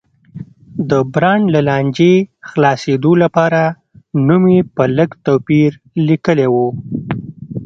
د برانډ له لانجې خلاصېدو لپاره نوم یې په لږ توپیر لیکلی و.